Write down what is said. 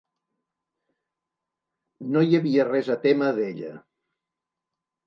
No hi havia res a témer d'ella.